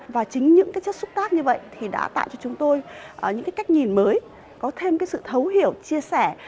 và chính những chất xúc tác như vậy thì đã tạo cho chúng tôi những cách nhìn mới có thêm sự thấu hiểu chia sẻ